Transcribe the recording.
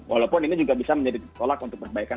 walaupun ini juga bisa menjadi tolak untuk perbaikan